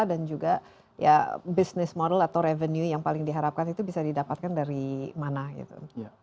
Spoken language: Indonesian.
dan juga ya business model atau revenue yang paling diharapkan itu bisa didapatkan dari mana gitu